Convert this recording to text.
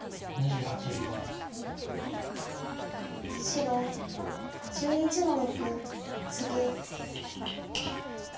白１１の六ツギ。